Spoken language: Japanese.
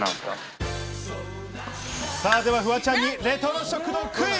フワちゃんにレトロ食堂クイズ。